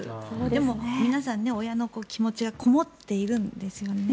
でも、皆さん親の気持ちがこもっているんですよね。